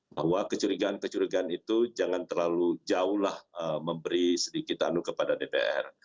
bahwa kecurigaan kecurigaan itu jangan terlalu jauh lah memberi sedikit anu kepada dpr